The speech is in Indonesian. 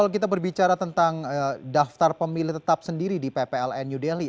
kalau kita berbicara tentang daftar pemilih tetap sendiri di ppln new delhi